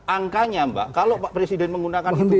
angkanya mbak kalau pak presiden menggunakan itu